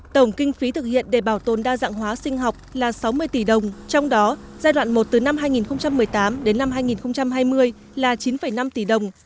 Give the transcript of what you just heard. tổng kinh phí thực hiện để bảo tồn đa dạng hóa sinh học là sáu mươi tỷ đồng trong đó giai đoạn một từ năm hai nghìn một mươi tám đến năm hai nghìn hai mươi là chín năm tỷ đồng